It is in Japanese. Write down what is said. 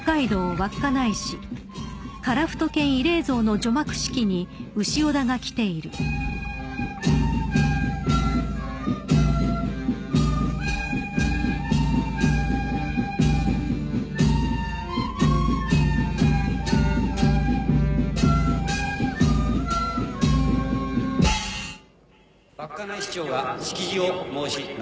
稚内市長が式辞を申し述べます